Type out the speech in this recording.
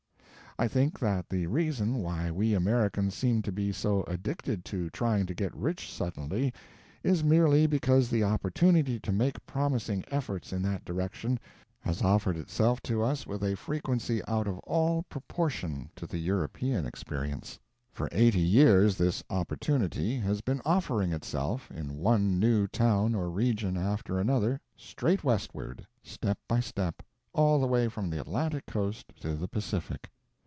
I think that the reason why we Americans seem to be so addicted to trying to get rich suddenly is merely because the opportunity to make promising efforts in that direction has offered itself to us with a frequency out of all proportion to the European experience. For eighty years this opportunity has been offering itself in one new town or region after another straight westward, step by step, all the way from the Atlantic coast to the Pacific.